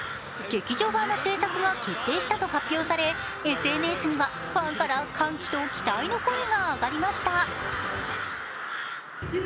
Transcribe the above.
劇場版の製作が決定したと発表されＳＮＳにはファンから歓喜と期待の声が上がりました。